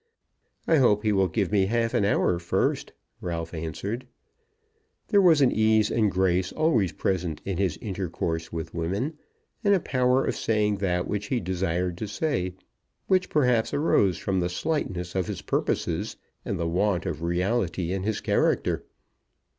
"I hope he will give me half an hour first," Ralph answered. There was an ease and grace always present in his intercourse with women, and a power of saying that which he desired to say, which perhaps arose from the slightness of his purposes and the want of reality in his character.